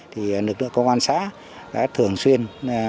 thì lực lượng công an xã đã thường xuyên